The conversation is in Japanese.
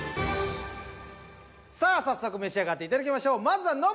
さあ早速召し上がっていただきましょう。